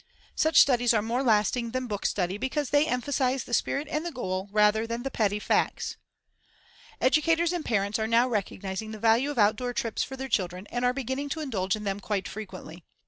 Such studies are more lasting than book study because they emphasize the spirit and the goal rather than the petty facts. Educators and parents are now recognizing the value of outdoor trips for their children and are beginning to indulge in them quite frequently.